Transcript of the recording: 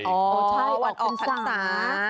อ๋อใช่วันออกทันศาสตร์ค่ะอ๋อใช่วันออกทันศาสตร์